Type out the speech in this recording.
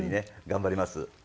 頑張ります。